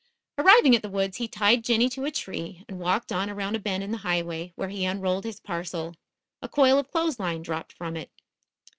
Arriving at the woods he tied Jinny to a tree and walked on around a bend in the highway, where he unrolled his parcel. A coil of clothes line dropped from it.